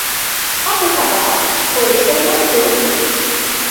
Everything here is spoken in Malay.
Apa khabar boleh saya bantu?